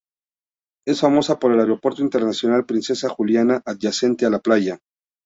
Es famosa por el Aeropuerto Internacional Princesa Juliana adyacente a la playa.